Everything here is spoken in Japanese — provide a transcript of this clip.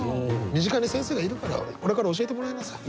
身近に先生がいるからこれから教えてもらいなさい。